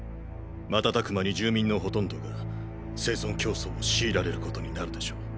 瞬く間に住民のほとんどが生存競争を強いられることになるでしょう。